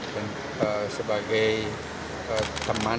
dan sebagai teman teman